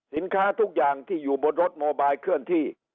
สินค้าทุกอย่างที่อยู่บนรถโมบายเคลื่อนที่